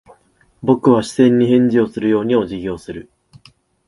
僕は視線に返事をするようにお辞儀をする。